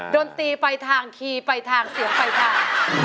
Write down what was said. ดนตรีไปทางคีย์ไปทางเสียงไปทาง